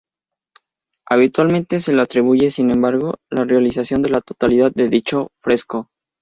Habitualmente se le atribuye, sin embargo, la realización de la totalidad de dicho fresco.